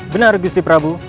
benar gusti prabu